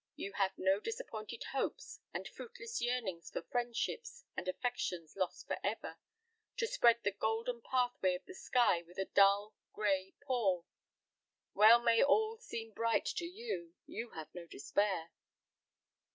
You have no disappointed hopes, and fruitless yearnings for friendships and affections lost for ever, to spread the golden pathway of the sky with a dull, gray pall. Well may all seem bright to you: you have no despair."